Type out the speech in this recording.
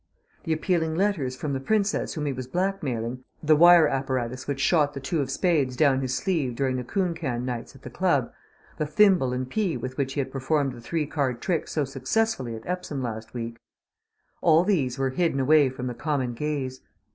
The appealing letters from the Princess whom he was blackmailing, the wire apparatus which shot the two of spades down his sleeve during the coon can nights at the club, the thimble and pea with which he had performed the three card trick so successfully at Epsom last week all these were hidden away from the common gaze.